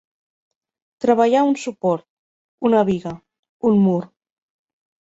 Treballar un suport, una biga, un mur.